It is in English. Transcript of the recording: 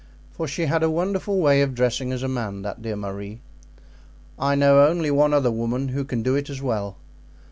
For she had a wonderful way of dressing as a man, that dear Marie; I know only one other woman who can do it as well.